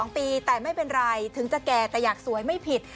๒ปีแต่ไม่เป็นไรถึงจะแก่แต่อยากสวยไม่ผิด